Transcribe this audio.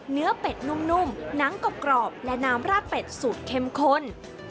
เนื้อเป็ดนุ่มน้ำกรอบและน้ำราดเป็ดสูดเข้มข้น